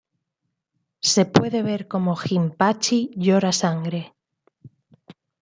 Se puede ver como Jinpachi llora sangre.